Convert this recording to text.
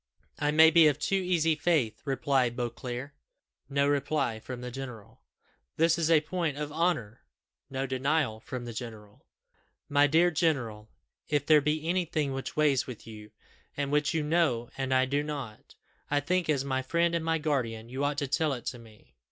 "I may be of too easy faith," replied Beauclerc. [No reply.] "This is a point of honour." [No denial.] "My dear general, if there be anything which weighs with you, and which you know and I do not, I think, as my friend and my guardian, you ought to tell it to me."